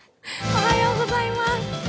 おはようございます。